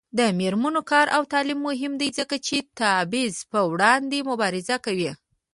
د میرمنو کار او تعلیم مهم دی ځکه چې تبعیض پر وړاندې مبارزه کوي.